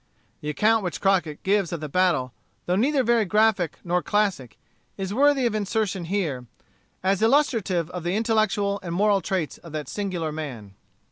The account which Crockett gives of the battle, though neither very graphic nor classic, is worthy of insertion here, as illustrative of the intellectual and moral traits of that singular man.